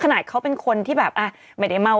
ขนาดเขาเป็นคนที่แบบไม่ได้เมา